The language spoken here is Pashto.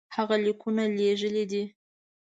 هغه لیکونه لېږلي دي.